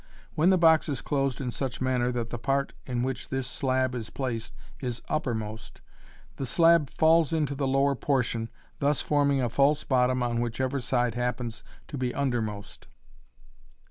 When the box is closed in such manner that the part in which this slab is placed is uppermost, the slab falls into the lower por tion, thus forming a false bottom on whichever side happens to be undermost.